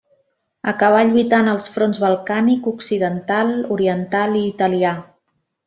Acabà lluitant als fronts balcànic, occidental, oriental i italià.